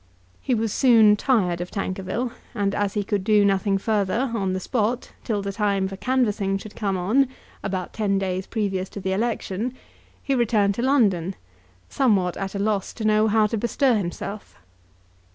He was soon tired of Tankerville, and as he could do nothing further, on the spot, till the time for canvassing should come on, about ten days previous to the election, he returned to London, somewhat at a loss to know how to bestir himself.